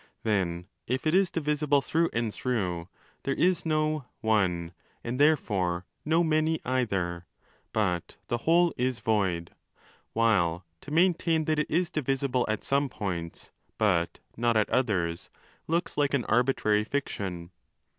Then),° if it is divisible through and through, there is no 'one', and therefore no 'many' either, but the Whole is void ; while to maintain that it is divisible at some points, but not at others, looks like an arbitrary fiction.